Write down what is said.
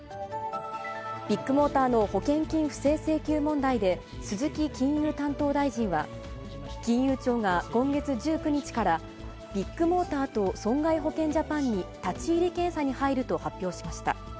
ビッグモーターの保険金不正請求問題で、鈴木金融担当大臣は、金融庁が今月１９日から、ビッグモーターと損害保険ジャパンに立ち入り検査に入ると発表しました。